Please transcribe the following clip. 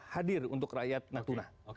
hadir untuk rakyat natuna